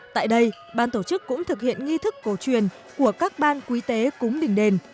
tại đây ban tổ chức cũng thực hiện nghi thức cổ truyền của các ban quý tế cúng đình đền